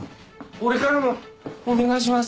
俺からもお願いします。